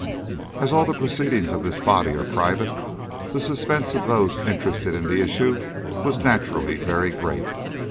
As all the proceedings of this body are private, the suspense of those interested in the issue was naturally very great.